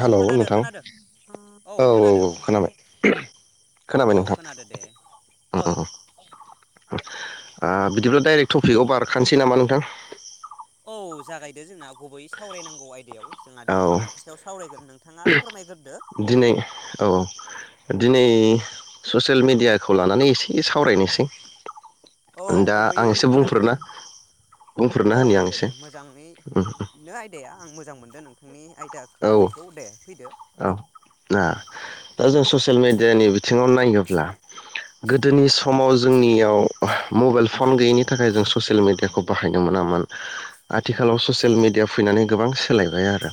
औ हेलौ खोनादो नोंथां खोनादो औ औ औ खोनाबाय औ खोनाबाय नोंथां खोनादो दे औ आ बिदिब्ला डाइरेक टपिकआव बारखानसै नामा नोंथां औ जागायदो जोंना गुबैयै सावरायनांगौ आयदायाव जोंहा औ दिनै मानि सायाव सावरायगोन नोंथाङा फोरमायगोरदो दिनै औ दिनै ससेल मिडियाखौ लानानै एसे सावरायनोसै औ दा गुबै आं एसे थारैनो बुंफोरना बुंफोरना औ होनि दे आं दे एसे दे उम मोजाङैनो आयदाया आं मोजां मोनदों नों नोंनि आइ औ औ ना दा जों ससियेल मेडियानि सिङाव नायोब्ला गोदोनि समाव जोंनियाव ओ मबाइल फन गैयैनि थाखाय जों ससियेल मेडियाखौ बाहायनो मोनामोन आथिखालाव ससियेल मेडिया फैनानै गोबां सोलायबाय आरो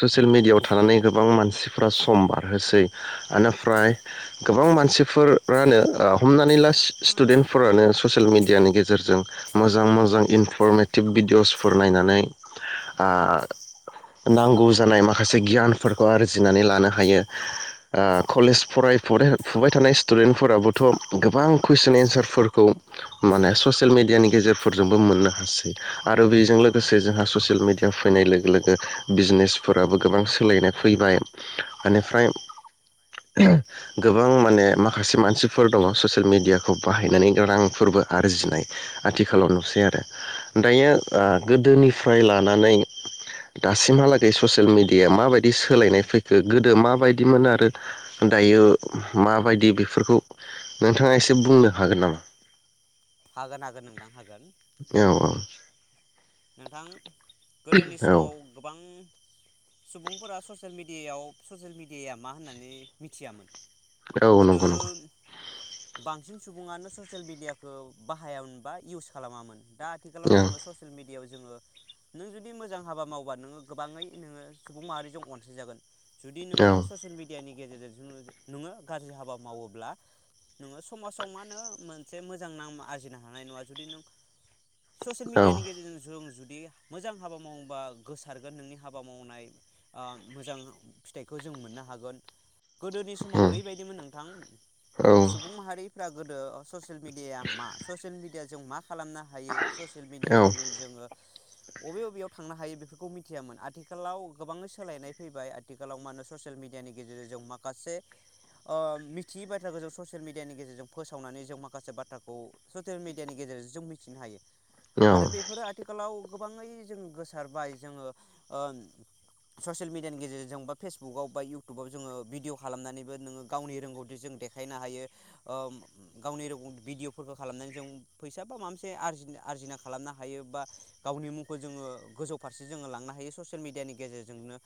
ससियेल मेडियायाव थानानै गोबां मानसिफोरा सम बारहोसै निफ्राय गोबां मानसिफोरानो हमनानै ला स्टुडेन्टफोरानो ससियेल मिडियानि गेजेरजों मोजां मोजां इनफरमेटिभ भिडियसफोर नायनानै आ नांगौ जानाय माखासे गियानफोरखौ आरजिनानै लानो हायो आ कलेज फरायरायनाय फुबाय थानाय स्टुडेन्टफोराबोथ' गोबां कुइसन एन्सारफोरखौ माने ससियेल मेडियानि गेजेरफोरजोंबो मोननो हासै आरो बेजों लोगोसे जोंहा ससियेल मेडिया फैनाय लोगो लोगो बिजनेस फोराबो गोबां सोलायनाय फैबाय एनिफ्राय [unintelligible] गोबां माने माखासे मानसिफोर दङ ससियेल मिडियाखौ बाहायनानै रांफोरबो आरजिनाय आथिखालाव नुसै आरो दायो ओ गोदोनिफ्राय लानानै दासिमहालाग जै ससियेल मिडियााया माबायदि सोलायनाय फैखो गोदो माबायदिमोन आरो दायो होम माबायदि बेफोरखौ नोंथाङा एसे बुंनो हागोन नामा हागोन हागोन नोंथां हागोन औ नोंथां गोदोनि औ समाव गोबां सुबुंफोरा ससेल मिडियायाव ससेयेल मिडियाया मा होननानै मिथियामोन औ नंगौ नंगौ गोदो बांसिन सुबुङानो ससेल मिडियाखौ बाहायामोन बा इउस खालामामोन दा आथिखालाव औ जोङो ससियेल मिडिया याव जोङो नों जुदि मोजां हाबा मावोबा नोङो गोबाङै नोङो सुबुं माहारिजों अनसायजागोन जुदि औ औ नोङो उम ससियेल मिडियानि नि गेजेरजों नोङो गाज्रि हाबा मावोब्ला नोङो समाजाव मा होनो मोनसे मोजां नाम आरजिनो हानाय नङा जुदि नों ससियेल औ मिडियानि गेजेरजों जों जुदि मोजां हाबा मावोबा गोसारगोन नोंनि हाबा मावनाय आ मोजां फिथाइखौ जों मोननो हागोन गोदोनि समाव ओरैबायदिमोन नोंथां सुबुं माहारि फोरा गोदो ससियेल मिडियाया मा ससियेल मिडियाजों जों मा ख खालामनो हायो ससियेल मिडियानि गेजेरजों बबे बबेयाव थांनो हायो बेफोरखौ मिथियामोन आथिखालाव गोबाङै सोलायनाय फैबाय आथिखालाव मा होनो ससियेल मिडियानि गेजेरजों जों माखासे ओ मिथियै बाथ्राखौ जों ससियेल मिडियानि गेजेरजों फोसावनानै जों माखासे बाथ्राखौ ससियेल मिडियानि गेजेरजों जों मिथिनो हायो आरो बेफोरो आ खालाव गोबाङै जों गोसारबाय जोङो ओ ससियेल मेडियानि गेजेरजों बा फेसबुकाव बा इउटुबाव जोङो भिडिय खालामनानैबो नोङो गावनि रोंगौथि जों देखायनो हायो ओ गावनि रोंगौ भिडिय'फोरखौ खालामनानै जों फैसा बा माबा मोनसे आरजि-आरजिना खालामनो हायो बा गावनि मुंखौ जोङो गोजौ फारसे जोङो लांनो हायो ससियेल मिडियानि गेजेरजोंनो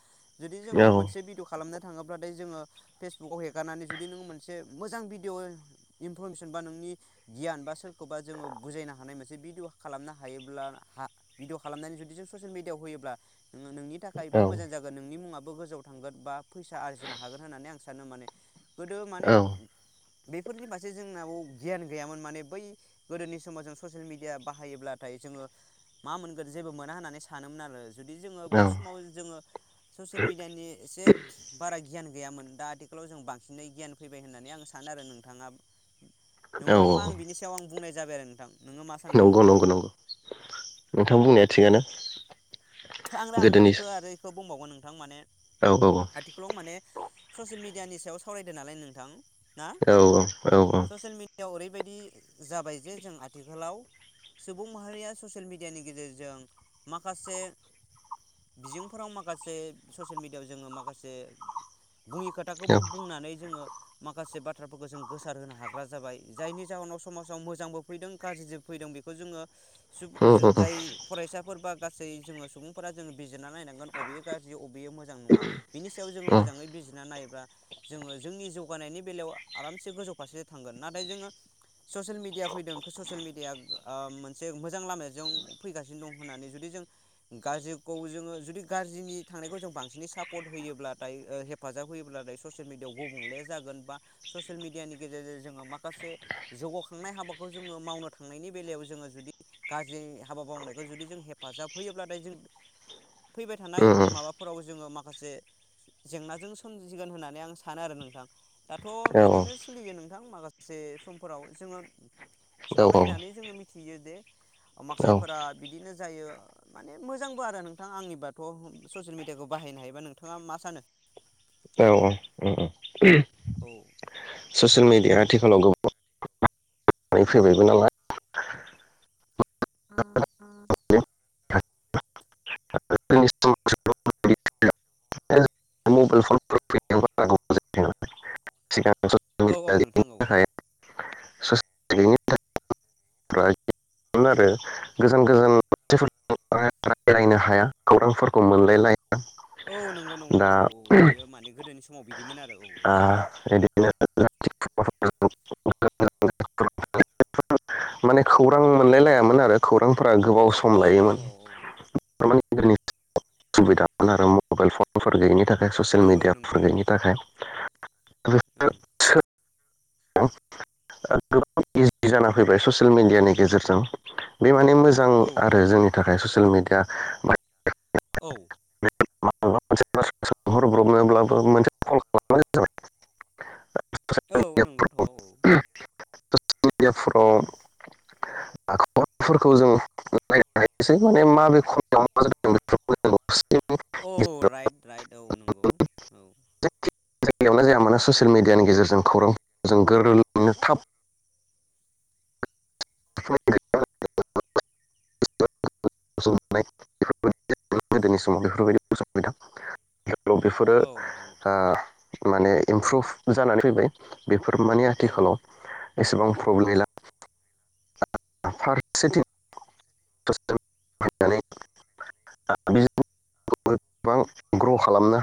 जुदि जोङो मोनसे भिदिय खालामनो थाङोब्लाथाय जोङो फेसबुकाव हेगारनानै जुदि नोङो मोनसे मोजां भिडिय इनफरमेसन बा नोंनि गियान बा सोरखौबा जोङो बुजायनो हानाय मोनसे भिडिय खालामनो हायोब्ला हा भिडिअ खालामनानै जुदि जों ससियेल मिडियाआव होयोब्ला नोङो नोंनि थाखायबो मोजां जागोन नोंनि मुङाबो ब गोजौआव थांगोन बा फैसा आरजिनो हागोन होननानै आं सानो माने गोदो माने ओ औ बेफोरनि फारसे जोंनाव गियान गैयामोन माने बै गोदोनि समाव जों ससियेल मेडिया बाहायोब्लाथाय जोङो मा मोनगोन जेबो मोना होननानै सानोमोन आरो जुदि जोङो बै औ समाव जोङो ससियेल मेडियानि एसे बारा गि गियान गैयामोन दा आथिखालाव जों बांसिनै गियान फैबाय होननानै आं सानो आरो नोंथाङा। औ नंगोना नङा आं बिनि सायाव आं बुंनाय जाबाय आरो नोंथां। नोङो मा सानगोन नंगौ नोंथां नंगौ नंगौ नोंथां बुंनाया थिगानो आं रा आं गोदोनि इखो आरो इखो बुंबावगोन नोंथां माने औ औ आथिखालाव माने ससियेल मिडि मिडियानि सायाव सावरायदो नालाय नोंथां ना औ औ औ ससियेल मिडियाव ओरै बेबायदि जाबाय जे जों आथिखालाव सुबुं माहारिया ससियेल मेडियानि गेजेरजों माखासे बिजोंफोराव माखासे ससियेल मिडियायाव जोङो माखासे बुंङि खोथाखौबो बुंनानै जोङो माखासे बाथ्राफोरखौ जों गोसार होनो हाग्रा जाबाय जायनि जाहोनाव समाजाव मोजांबो फैदों गाज्रिबो फैदों बेखौ जोङो सुबुं उम उम जो उम औ जा-जाय फरायसाफोर बा गासै जोङो स सुबुंफोरा जोङो बिजिरना नायनांगोन अबे गाज्रि अबे बेयो मोजां नङा बिनि सायाव जोङो मोजाङै बिजिरना नायोब्ला जोङो जोंनि जौगानायनि बेलायाव आरामसे गोजौ फारसे थांगोन नाथाय जोङो ससियेल मिडिया फैदों ससियेल मिडियाया ओ मोनसे मोजां लामाजों फैगासिनो दं होननानै जुदि जों गाज्रिखौ जोङो जुदि गाज्रिनि थांनायखौ जों बांसिनै सापर्ट होयोब्लाथाय ओ हेफाजाब होयोब्लाथाय ससियेल मिडियाआव गुबुंले जागोन बा ससियेल मिडियानि गेजेरजों जोङो माखासे जौगाखांनाय हाबाखौ जोङो मावनो थांनायनि बेलायाव जोङो जुदि गाज्रि हाबा मावनायखौ जुदि जों हेफाजाब होयो ब्लाथाय जों फैबाय थानाय माबाफोराव जोङो माखासे जेंनाजों सोमजिगोन होननानै आं सानो आरो नोंथां दाथ बिदिनो औ सोलियो नोंथां माखासे समफोराव जोङो सावरायनानै जोङो मिथियो जे औ माखासेफोरा बिदिनो जायो माने मोजांबो आरो नोंथां आंनिबाथ' ओ ससियेल मिडियाखौ बाहायनो हायोबा नोंथाङा मा सानो उम औ [unintelligible] ससियेल मिडिया आथिखालाव गोबां [unintelligible] फैबायबो नालाय। [unintelligible] [unintelligible] [unintelligible] [unintelligible] औ औ नोंथां औ थाखाय [unintelligible] आरो गोजान गोजान रायायनो हाया खौरांफोरखौ मोनलाय औ नंगौ नंगौ औ औ औ बियो माने गोदोनि समाव बिदिमोन आरो औ औ। आ, [unintelligible] गोबाव सम औ औ लायोमोन। औ [unintelligible] आरो मबाइल फनफोर गैयिनि थाखाय। बे ससियेल नंगौ नंगौ औ मिडियाफुरैनि थाखाय। [unintelligible] [unintelligible] ओं जाना फैबाय ससियेल मिडियानि गेजेरजों। बे माने मोजां औ औ आरो नंगौ जोंनि नोंथां थाखाय ससेल मेडिया औ [unintelligible] सोंहरब्रबनोब्लाबो मोनसे [unintelligible] जाबाय औ नंगौथ' औ [unintelligible] [unintelligible] राइड औ नंगौ औ जायगायावनो जाया मानो ससियेल मिडियानि गेजेरजों खौरां जों गोरलैनो थाब [unintelligible] [unintelligible] औ बेफोरो औ नोंथां हा माने इमप्रुभ जानानै फैबाय। बेफोर माने औ आथिखालाव एसेबां प्रब्लेम गैला। [unintelligible] ग्र खालामनो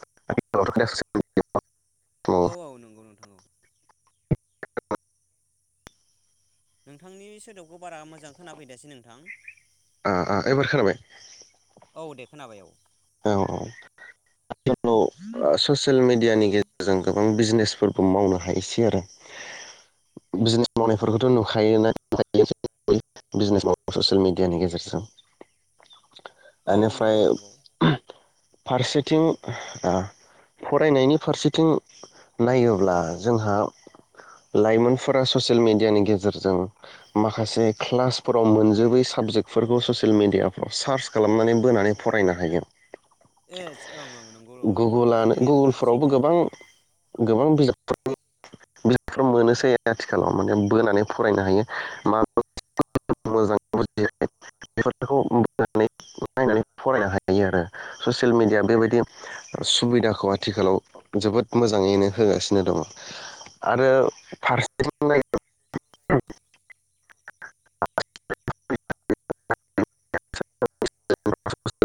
[unintelligible] औ औ नंगौ नोंथां औ नोंथांनि सोदोबखौ बारा मोजां खोनाफैदासै नोंथां। आ आ एबार खोनाबाय औ दे खोनाबाय औ। औ औ [inaudible] ससेल मेडियानि गेजेरजों गोबां बिजिनेसफोर मावनो हायोसै आरो बिजनेस मावनायफोरखौथ नुखायोना [inaudible] ससियेल मिडियानि गेजेरजों औ बेनिफ्राय नंगौ नंगौ फारसेथिं फरायनायनि फारसेथिं नायोब्ला जोंहा लाइमोनफोरा ससियेल मेडियानि गेजेरजों माखासे क्लासफोराव मोनजोबै साबजेक्टफोरखौ ससियेल मेडियाफ्राव सार्च खालामनानै बोनानै फरायनो हायो। एज ओं ओं नंगौ र नोंथांनि गुगोलानो बुंनाया थार गुगोलफोरावबो सैथो गोबां [inaudible] ससेल मिडिया बेबायदि सुबिदाखौ आथिखालाव जोबोद मोजाङैनो होगासिनो दङ आरो फारसेथिं [inaudible] [unintelligible]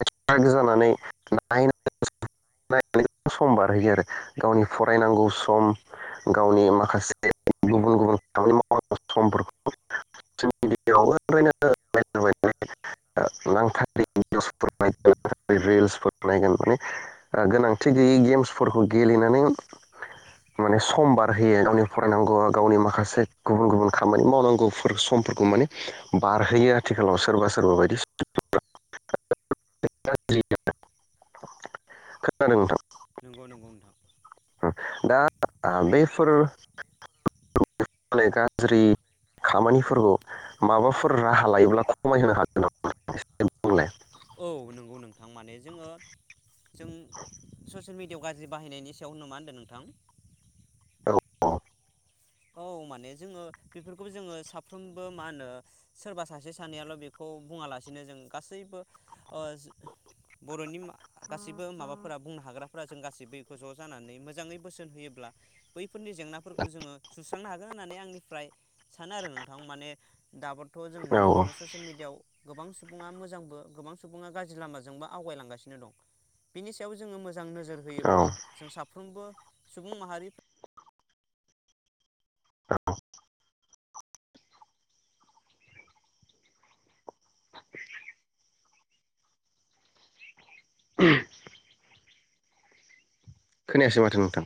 [unintelligible] गावनि फरायनां‌गौ सम गावनि माखासे [inaudible] माने गोनांथि गैयै गेम्सफोरखौ गेलेनानै माने सम बारहोयो गावनि फरायनांगौ गावनि माखासे गुबुन गुबुन खामानि मावनांगौ फोर समफोरखौ माने बारहोयो आथिखालाव सोरबा सोरबा बायदि [inaudible] [unintelligible] खोनादों नोंथां नंगौ नंगौ नोंथां [inaudible] थांमाने जोङो जों ससियेल मि फेव गाज्रि बाहायनायनि सायाव नु मा होनदों नोंथां। औ अ औ माने जोङो बेफोरखौबो जोङो साफ्रोमबो मा होनो सोरबा सासे सानैयाल' बेखौ बुङालासेनो जों गासैबो ओ जो बर'नि गासैबो माबाफोरा बुंनो हाग्राफोरा जों गासैबो बेखौ ज' जानानै मोजाङै बोसोन होयोब्ला बैफोरनि जेंनाफोरखौ जोङो सुस्रांनो हागोन होननानै आंनिफ्राय सानो आरो नोंथां माने दाबोर थ जों औ नुनो मोनो ससेयेल मेडियाव गोबां सुबुङा मोजांबो गोबां सुबुङा गाज्रि लामाजोंबो आवगायलांगासिनो दं बिनि सायाव जोङो मो जां नोजोर औ होयोब्ला जों साफ्रोमबो सुबुं माहारि औ खोनायासै माथो नोंथां?